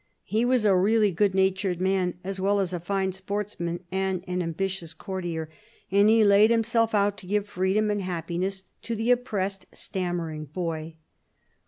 He was a really good natured man, as well as a fine sportsman and an ambitious courtier, and he laid himself out to give freedom and happiness to the oppressed, stammering boy.